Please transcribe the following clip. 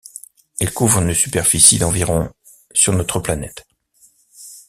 Elle couvre une superficie d'environ sur notre planète.